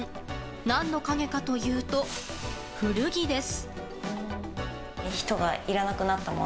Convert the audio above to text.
何の影かというと、古着です。